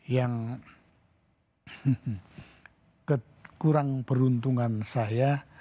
yang kekurang peruntungan saya